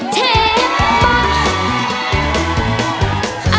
เทปปะ